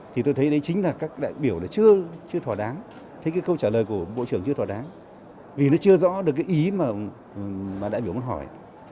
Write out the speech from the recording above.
thì tôi thấy đấy chính là các đại biểu là chưa thỏa đáng thế cái câu trả lời của bộ trưởng chưa thỏa đáng vì nó chưa rõ được cái ý mà đại biểu muốn hỏi